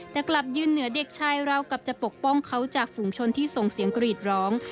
แต่กลับยืนเหนือเด็กชายเรากลับจะปกป้องเขาจากฝูงชนที่ส่งเสียงกรีดร้อง